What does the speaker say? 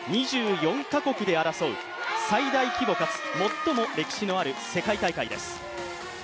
２４か国で争う最大規模かつ最も歴史のある世界大会です。